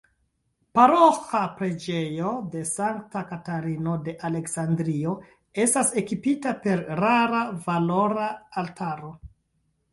Paroĥa preĝejo de Sankta Katarino de Aleksandrio estas ekipita per rara valora altaro.